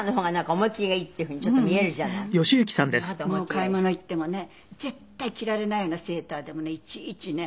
買い物に行ってもね絶対着られないようなセーターでもねいちいちね。